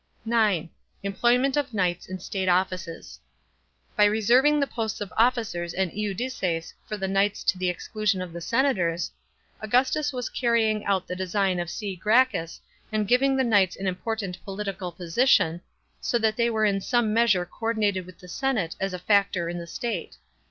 (9) Employment of knights in state offices. By reserving the posts of officers and iudices for the knights to the exclusion of the senators, Augustus was carrying out the design of C. Gracchus and giving the knights an important political position, so that they were in some measure co ordinated with the senate as a factor in the state.